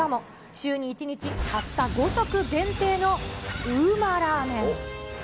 週に１日、たった５食限定のＵＭＡラーメン。